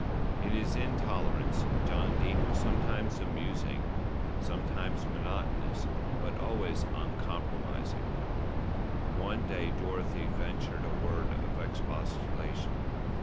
In his intolerance John Dene was sometimes amusing, sometimes monotonous; but always uncompromising. One day Dorothy ventured a word of expostulation.